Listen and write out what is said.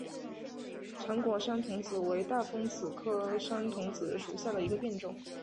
长果山桐子为大风子科山桐子属下的一个变种。